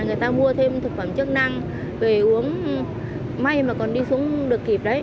người ta mua thêm thực phẩm chức năng về uống may mà còn đi xuống được kịp đấy